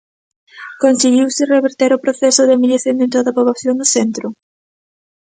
Conseguiuse reverter o proceso de envellecemento da poboación do centro?